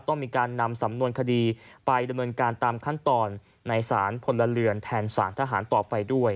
ต้องมีการนำสำนวนคดีไปดำเนินการตามขั้นตอนในสารพลเรือนแทนสารทหารต่อไปด้วย